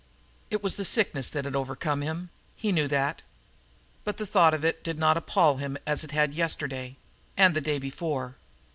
It was the sickness that had overcome him he knew that. But the thought of it did not appall him as it had yesterday, and the day before.